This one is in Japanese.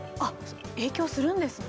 影響するんですね。